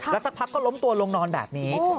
สักพักก็ล้มตัวลงนอนแบบนี้